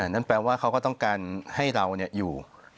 นั่นแปลว่าเขาก็ต้องการให้เราอยู่